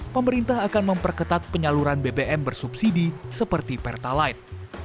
pemerintah akan memperketat penyaluran bbm bersubsidi seperti pertalite